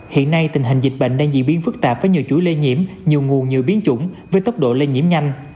hiện nay tình hình dịch bệnh đang diễn biến phức tạp với nhiều chuỗi lây nhiễm nhiều nguồn nhiều biến chủng với tốc độ lây nhiễm nhanh